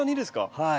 はい。